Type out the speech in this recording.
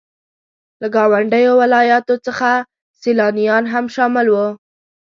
له ګاونډيو ولاياتو څخه سيلانيان هم شامل وو.